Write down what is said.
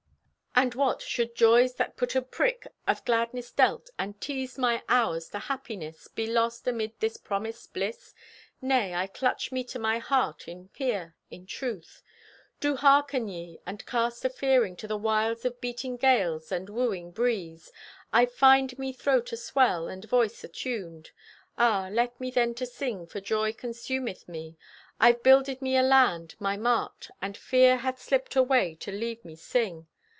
And what! should joys that but a prick Of gladness dealt, and teased my hours To happiness, be lost amid this promised bliss? Nay, I clutch me to my heart In fear, in truth! Do harken Ye! And cast afearing To the wiles of beating gales and wooing breeze. I find me throat aswell and voice attuned. Ah, let me then to sing, for joy consumeth me! I've builded me a land, my mart, And fear hath slipped away to leave me sing.